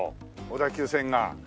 小田急線が。